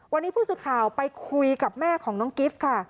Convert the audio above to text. วันนี้ผู้สื่อข่าวไปคุยกับแม่ของน้องกิฟต์ค่ะ